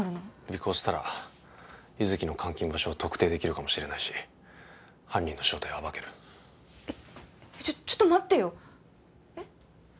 尾行したら優月の監禁場所を特定できるかもしれないし犯人の正体を暴けるえっちょっと待ってよえっ？